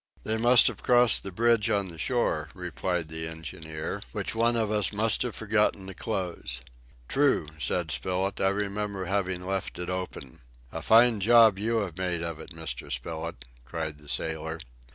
"They must have crossed the bridge on the shore," replied the engineer, "which one of us must have forgotten to close." "True," said Spilett, "I remember having left it open." "A fine job you have made of it, Mr. Spilett," cried the sailor.